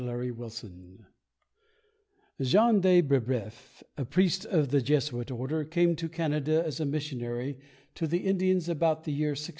JEAN DE BREBOEUF Jean de Breboeuf, a priest of the Jesuit Order, came to Canada as a missionary to the Indians about the year 1625.